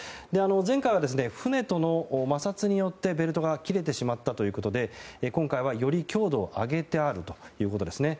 前回は船との摩擦によってベルトが切れてしまったということで今回はより強度を上げてあるということですね。